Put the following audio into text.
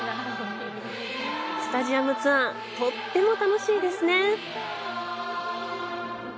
スタジアムツアー、とっても楽しいですね。